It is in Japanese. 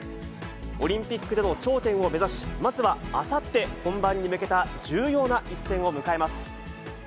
オリンピックでの頂点を目指し、まずはあさって、本番に向けた重要な一戦を迎えます。